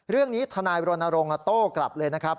เรื่องนี้ทนายโรนโรงโต้กลับเลยนะครับ